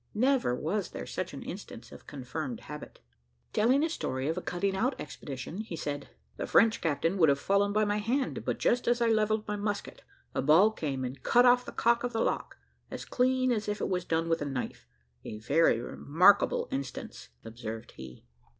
Never was there such an instance of confirmed habit. Telling a story of a cutting out expedition, he said, "The French captain would have fallen by my hand, but just as I levelled my musket, a ball came, and cut off the cock of the lock, as clean as if it was done with a knife a very remarkable instance," observed he.